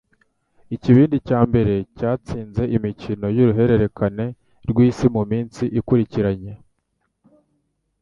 ikibindi cya mbere cyatsinze imikino yuruhererekane rwisi muminsi ikurikiranye